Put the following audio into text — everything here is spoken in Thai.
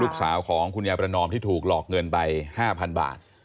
คุณยายของคุณยายประนอมที่ถูกหลอกเงินไป๕๐๐บาท